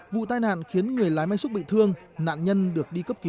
vụ tai nạn khiến người lái máy xúc bị thương nạn nhân được đi cấp cứu